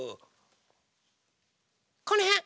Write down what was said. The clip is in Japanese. このへん！